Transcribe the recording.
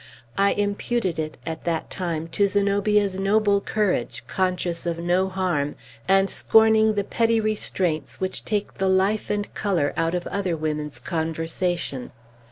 I imputed it, at that time, to Zenobia's noble courage, conscious of no harm, and scorning the petty restraints which take the life and color out of other women's conversation.